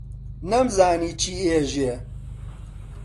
نەمزانی چی ئێژێ،